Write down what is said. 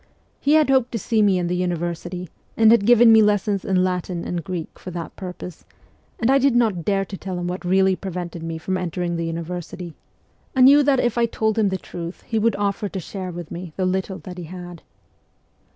He had hoped to see me in the university, and had given me lessons in Latin and Greek for that purpose ; and I did not dare to tell him what really prevented me from en tering the university : I knew that if I told him the 184 MEMOIRS OF A REVOLUTIONIST truth he would offer to share with me the little that he had.